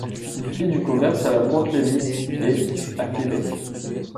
Il fit du commerce à la Pointe-Lévis et à Québec.